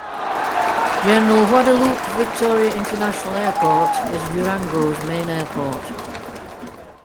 General Guadalupe Victoria International Airport is Durango's main airport.